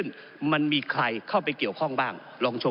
ก็ได้มีการอภิปรายในภาคของท่านประธานที่กรกครับ